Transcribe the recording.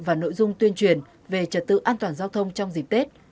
và nội dung tuyên truyền về trật tự an toàn giao thông trong dịp tết